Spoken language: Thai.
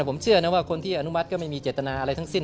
ผมเชื่อนะว่าคนที่อนุมัติก็ไม่มีเจตนาอะไรทั้งสิ้น